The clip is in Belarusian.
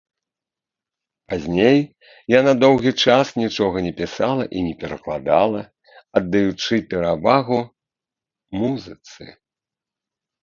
Пазней яна доўгі час нічога не пісала і не перакладала, аддаючы перавагу музыцы.